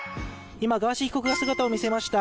今、ガーシー被告が姿を見せました。